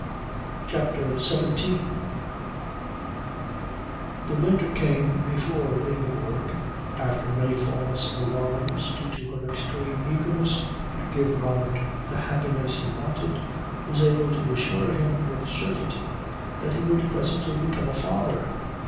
CHAPTER XVII The winter came before Ingeborg, after many false alarms due to her extreme eagerness to give Robert the happiness he wanted, was able to assure him with certainty that he would presently become a father.